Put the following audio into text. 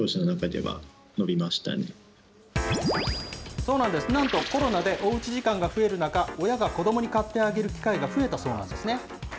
そうなんです、なんとコロナでおうち時間が増える中、親が子どもに買ってあげる機会が増えたそうなんです。